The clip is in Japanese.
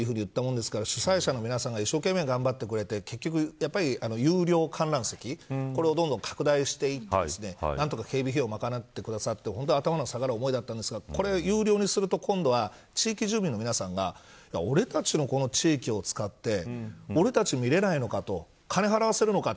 僕は税金で、これは充てないと言ったもんですから主催者の皆さんが一生懸命頑張ってくれて有料観覧席をどんどん拡大していって何とか警備費用を賄ってくださって頭の下がる思いだったんですが有料にすると、今度は地域住民の皆さんが俺たちの地域を使って俺たち見れないのかと。